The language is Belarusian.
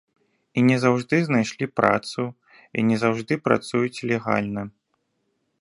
І не заўжды знайшлі працу, і не заўжды працуюць легальна.